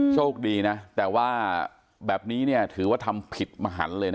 โชคดีนะแต่ว่าแบบนี้ถือว่าทำผิดมหันเลยนะ